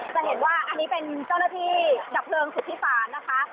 จะเห็นว่าอันนี้เป็นเจ้าหน้าที่ดับเพลิงสุธิศาลนะคะ